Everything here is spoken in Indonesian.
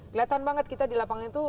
kelihatan banget kita di lapangan itu